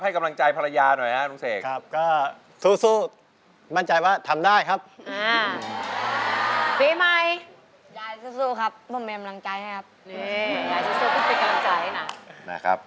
ให้กำลังใจพรรายาหน่อยนะครับ